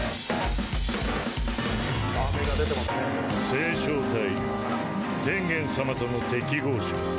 星漿体天元様との適合者